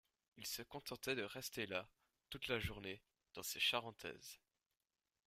Il se contentait de rester là, toute la journée, dans ses charentaises